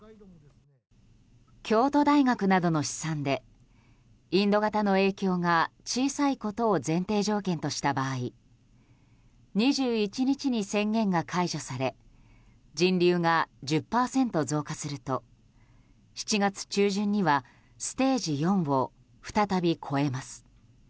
京都大学などの試算でインド型の影響が小さいことを前提条件とした場合２１日に宣言が解除され人流が１０％増加すると７月中旬にはステージ４を再び超えます。